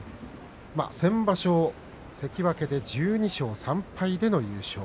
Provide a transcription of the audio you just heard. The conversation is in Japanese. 先場所、関脇で１２勝３敗での優勝。